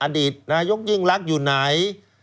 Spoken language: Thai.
อดีตนายกยิ่งรักอยู่ไหน